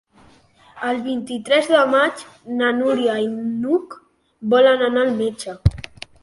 El vint-i-tres de maig na Núria i n'Hug volen anar al metge.